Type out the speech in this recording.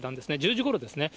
１０時ごろですね。